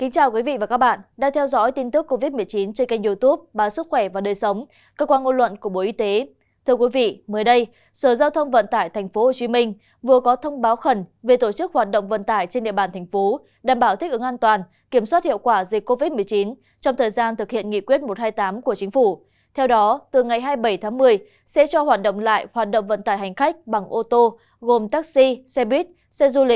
chào mừng quý vị đến với bộ phim hãy nhớ like share và đăng ký kênh của chúng mình nhé